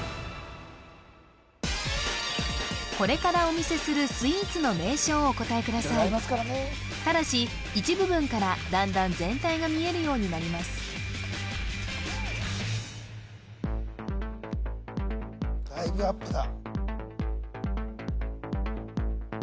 これからお見せするスイーツの名称をお答えくださいただし一部分から段々全体が見えるようになりますだいぶアップだ